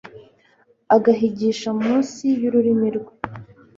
akagihisha mu nsi y'ururimi rwe